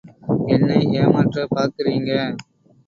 என்னை ஏமாற்றப் பார்க்கிறீங்க.